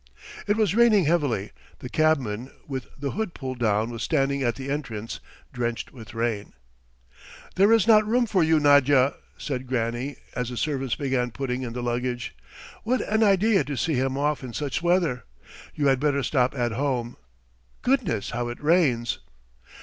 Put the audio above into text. It was raining heavily. The cabman with the hood pulled down was standing at the entrance, drenched with rain. "There is not room for you, Nadya," said Granny, as the servants began putting in the luggage. "What an idea to see him off in such weather! You had better stop at home. Goodness, how it rains!"